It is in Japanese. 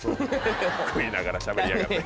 食いながらしゃべりやがって。